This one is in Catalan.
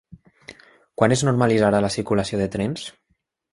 Quan es normalitzarà la circulació de trens?